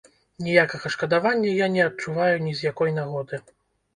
Ніякага шкадавання я не адчуваю ні з якой нагоды.